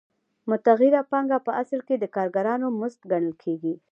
متغیره پانګه په اصل کې د کارګرانو مزد ګڼل کېږي